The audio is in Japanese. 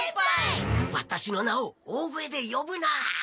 ワタシの名を大声でよぶな。